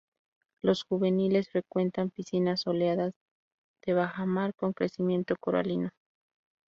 Los juveniles frecuentan piscinas soleadas de bajamar con crecimiento coralino.